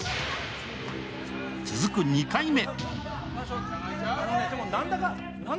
続く２回目。